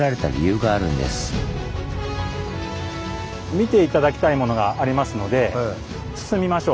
見て頂きたいものがありますので進みましょう。